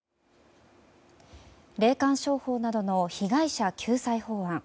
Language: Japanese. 霊感商法などの被害者救済法案。